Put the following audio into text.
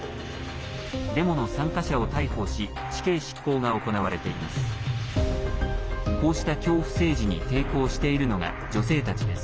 デモの参加者を逮捕し死刑執行が行われています。